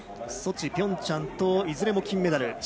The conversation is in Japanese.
ソチ、ピョンチャンといずれも金メダル。